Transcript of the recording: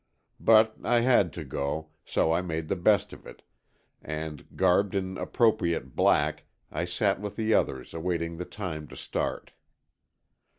But I had to go, so I made the best of it, and, garbed in appropriate black, I sat with the others awaiting the time to start.